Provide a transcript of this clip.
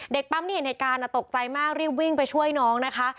ปั๊มที่เห็นเหตุการณ์ตกใจมากรีบวิ่งไปช่วยน้องนะคะ